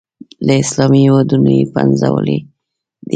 له اسلامي هېوادونو یې پنځولي دي.